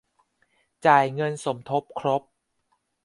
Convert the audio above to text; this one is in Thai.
จ่ายเงินสมทบครบ